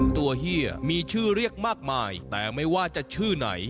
เฮียมีชื่อเรียกมากมายแต่ไม่ว่าจะชื่อไหน